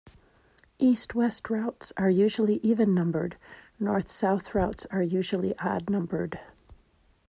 East-west routes are usually even-numbered, north-south routes are usually odd-numbered.